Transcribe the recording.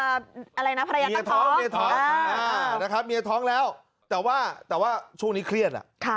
อะไรนะภรรยาต้องท้องนะครับมียท้องแล้วแต่ว่าช่วงนี้เครียด